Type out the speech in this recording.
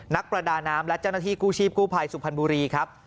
นักประดาน้ำและเจ้าหน้าที่กู้ชีพกู้ภัยสุพรรณบุรีครับ